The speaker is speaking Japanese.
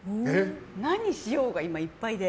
何しようが今、いっぱいで。